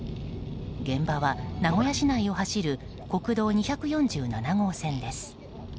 現場は名古屋市内を走る国道２４７号線です。